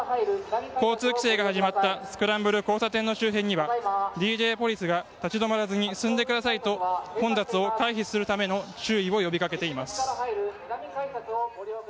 交通規制が始まったスクランブル交差点の周辺にはＤＪポリスが立ち止まらずに進んでくださいと混雑を回避するための注意を呼び掛けています。